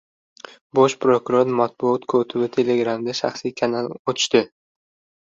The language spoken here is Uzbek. Bosh prokuror matbuot kotibi telegramda shaxsiy kanal ochdi